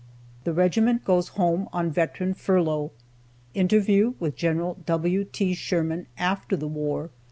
THE REGIMENT GOES HOME ON VETERAN FURLOUGH. INTERVIEW WITH GEN. W. T. SHERMAN AFTER THE WAR.